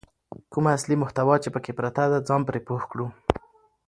کومه اصلي محتوا چې پکې پرته ده ځان پرې پوه کړو.